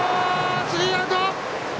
スリーアウト！